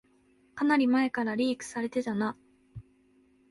かなり前からリークされてたな